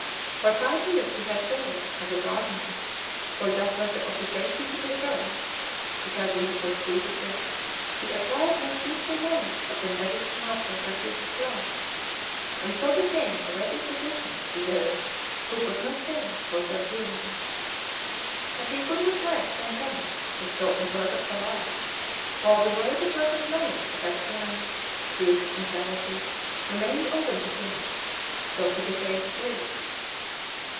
For five years he had toiled as a gardener; for that was the occupation he preferred, because in the pursuit of it he acquired much useful knowledge of the medicinal properties of plants, and so became a ready physician to those who could not pay for their healing. But he could not rest content with so imperfect a life, while the way to perfect knowledge of excellence, truth, and charity remained open to him; so he became a priest.